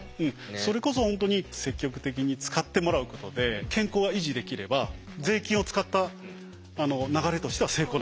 それこそ本当に積極的に使ってもらうことで健康が維持できれば税金を使った流れとしては成功なわけです。